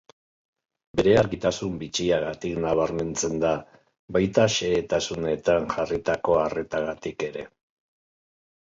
Bere argitasun bitxiagatik nabarmentzen da, baita xehetasunetan jarritako arretagatik ere.